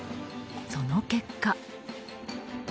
その結果。